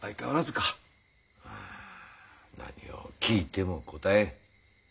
ああ何を聞いても答えん。